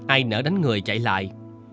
ai nỡ đánh người chạy lại